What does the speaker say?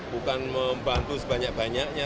bukan membantu sebanyak banyaknya